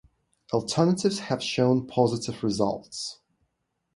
Alternatives have shown positive results.